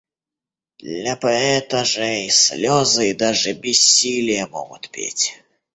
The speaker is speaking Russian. Для поэта же и слёзы и даже бессилие могут петь.